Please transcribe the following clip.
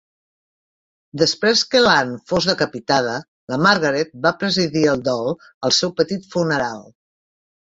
Després que l'Anne fos decapitada, la Margaret va presidir el dol al seu petit funeral.